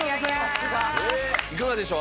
いかがでしょう？